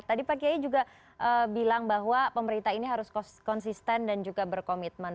tadi pak kiai juga bilang bahwa pemerintah ini harus konsisten dan juga berkomitmen